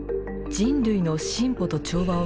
「人類の進歩と調和を」